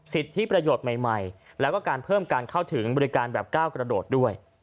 สิทธิประโยชน์ใหม่แล้วก็การเพิ่มการเข้าถึงบริการแบบก้าวกระโดดด้วย